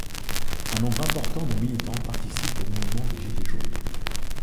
Un nombre important de militants participe au mouvement des Gilets jaunes.